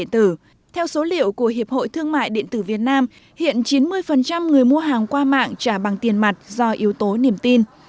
theo số liệu của hiệp hội thương mại điện tử việt nam hiện chín mươi người mua hàng qua mạng trả bằng tiền mặt do yếu tố niềm tin